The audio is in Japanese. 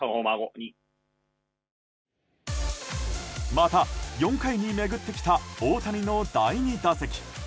また、４回に巡ってきた大谷の第２打席。